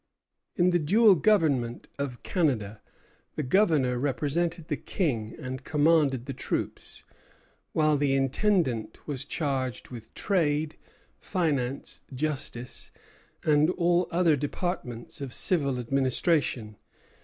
In the dual government of Canada the Governor represented the King and commanded the troops; while the Intendant was charged with trade, finance, justice, and all other departments of civil administration.